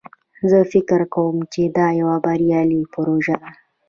زه فکر کوم چې دا یوه بریالی پروژه ده